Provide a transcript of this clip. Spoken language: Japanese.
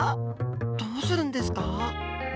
どうするんですか？